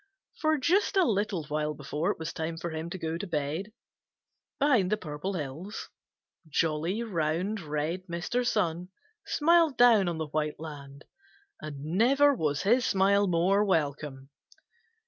For just a little while before it was time for him to go to bed behind the Purple Hills, jolly, round, red Mr. Sun smiled down on the white land, and never was his smile more welcome.